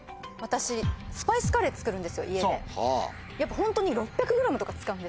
ホントに。